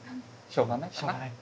しょうがない。